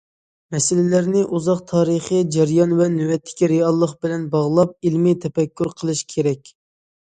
مەسىلىلەرنى ئۇزاق تارىخى جەريان ۋە نۆۋەتتىكى رېئاللىق بىلەن باغلاپ، ئىلمىي تەپەككۇر قىلىش كېرەك.